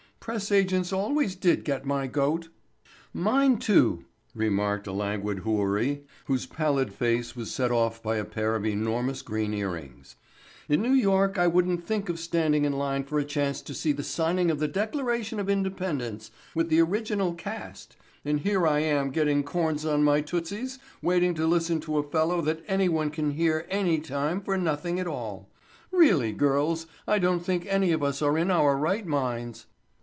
Press agents always did get my goat." "Mine, too," remarked a languid houri whose pallid face was set off by a pair of enormous green earrings. "In New York I wouldn't think of standing in line for a chance to see the signing of the Declaration of Independence with the original cast, and here I am getting corns on my tootsies waiting to listen to a fellow that anyone can hear any time for nothing at all. Really, girls, I don't think any of us are in our right minds."